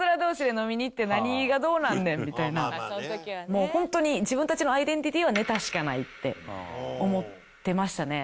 もう本当に自分たちのアイデンティティはネタしかないって思ってましたね。